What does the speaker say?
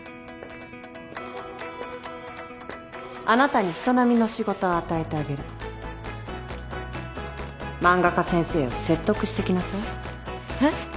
あなたに人並みの仕事を与えてあげる漫画家先生を説得してきなさいえっ！？